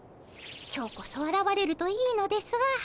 今日こそあらわれるといいのですが。